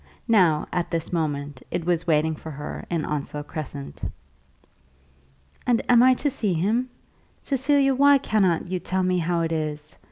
Now at this moment it was waiting for her in Onslow Crescent. "And am I to see him? Cecilia, why cannot you tell me how it is?